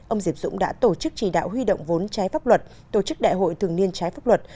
ông diệp dũng đã tổ chức chỉ đạo huy động vốn trái pháp luật tổ chức đại hội thường niên trái pháp luật